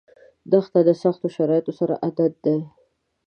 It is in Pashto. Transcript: دښته د سختو شرایطو سره عادت ده.